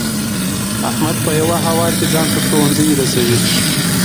احمد په یوه هوا کې ځان تر ښوونځي رسوي.